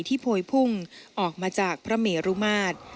ไฟผ่วยพุ่งออกมาจากเมรุมาติ